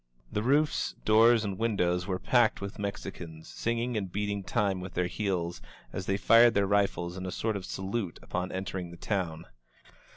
The roofs, doors and windows were packed with Mexicans, singing and beating time with their heels, as they fired their rifles in a sort of salute upon entering the town.